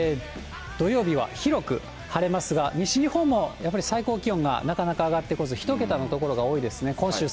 土曜日は広く晴れますが、西日本もやっぱり最高気温がなかなか上がってこず、１桁の所が多いですね。